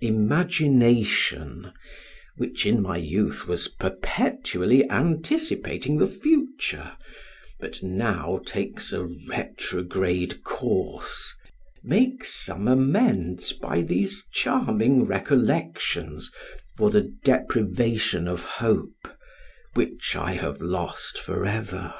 Imagination, which in my youth was perpetually anticipating the future, but now takes a retrograde course, makes some amends by these charming recollections for the deprivation of hope, which I have lost forever.